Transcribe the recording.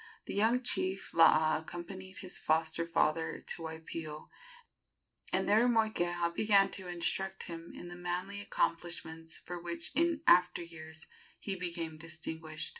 The young chief Laa accompanied his foster father to Waipio, and there Moikeha began to instruct him in the manly accomplishments for which in after years he became distinguished.